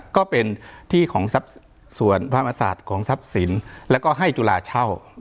ก็เป็นที่ของส่วนพระมศาสตร์ของทรัพย์สินแล้วก็ให้จุฬาเช่า